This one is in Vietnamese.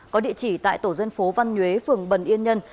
có địa chỉ tại tổ dân phố văn nhuế phường bần yên nhân